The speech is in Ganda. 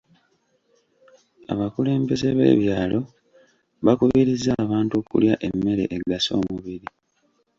Abakulembeze b'ebyalo bakubirizza abantu okulya emmere egasa omubiri.